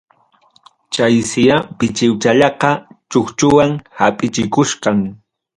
Chaysiya pichiwchallaqa, chukchuwan hapichikuchkan.